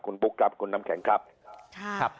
คุณบุ๊คครับคุณน้ำแข็งครับ